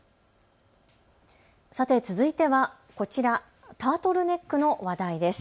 さて続いてはこちら、タートルネックの話題です。